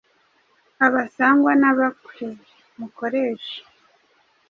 abasangwa n’abakwe. Mukoreshe